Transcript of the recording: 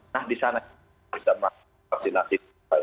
nah di sana kita bisa melakukan vaksinasi